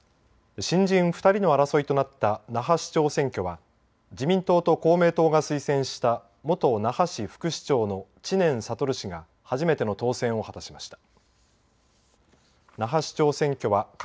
新人２人の争いとなった那覇市長選挙は自民党と公明党が推薦した元那覇市副市長の知念覚氏が初めての当選を果たしました。